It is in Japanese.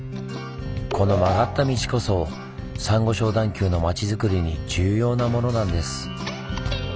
この曲がった道こそサンゴ礁段丘の町づくりに重要なものなんです。